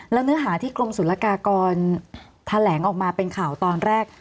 แล้วเนื้อหาที่กรมศุลกากรแถลงออกมาเป็นข่าวตอนแรก